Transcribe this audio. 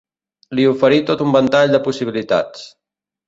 Li oferí tot un ventall de possibilitats.